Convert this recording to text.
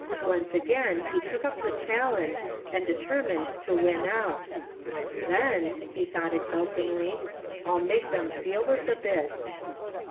Once again he took up the challenge and determined to win out. "Then," he thought exultantly, "I'll make them feel this a bit."